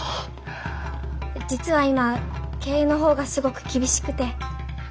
実は今経営の方がすごく厳しくて。